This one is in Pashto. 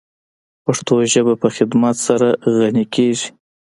پښتو ژبه په خدمت سره غَنِی کیږی.